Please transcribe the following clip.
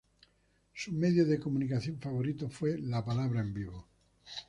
Su medio de comunicación favorito fue la palabra en vivo.